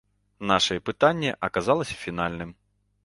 Нашае пытанне аказалася фінальным.